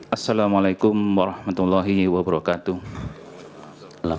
assalamu alaikum warahmatullahi wabarakatuh